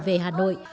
về hà nội